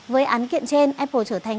với án kiện trên apple trở thành